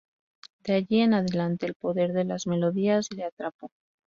De allí en adelante el poder de las melodías le atrapó.